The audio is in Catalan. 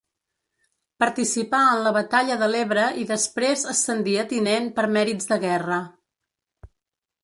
Participà en la Batalla de l'Ebre i després ascendí a tinent per mèrits de guerra.